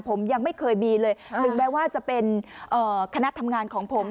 ผมยังไม่เคยมีเลยถึงแม้ว่าจะเป็นคณะทำงานของผม